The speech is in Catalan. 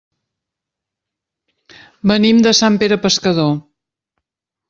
Venim de Sant Pere Pescador.